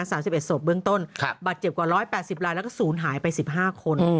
๓๑ศพเบื้องต้นบัตรเจ็บกว่า๑๘๐รายแล้วก็ศูนย์หายไป๑๕คน